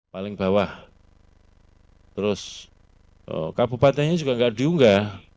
paling bawah terus kabupatenya juga enggak adiung enggak